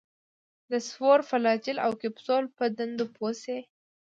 د سپور، فلاجیل او کپسول په دندو پوه شي.